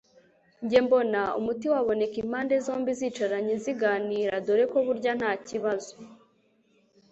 njye mbona umuti waboneka impande zombi zicaranye ziganira; dore ko burya nta kibazo